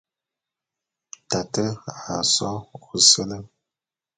Tate a só ôséle.